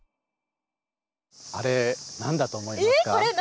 あれ何だと思いますか？